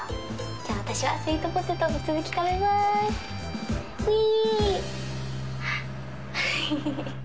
じゃあ私はスイートポテトの続き食べますうぃ！